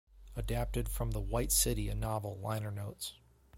Adapted from the "White City: A Novel" liner notes.